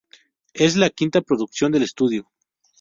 Es la quinta producción del estudio.